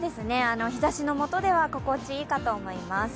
日ざしのもとでは心地いいかと思います。